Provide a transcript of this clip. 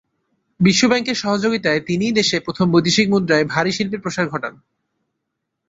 বিশ্ব ব্যাংকের সহযোগিতায় তিনিই দেশে প্রথম বৈদেশিক মুদ্রায় ভারী শিল্পের প্রসার ঘটান।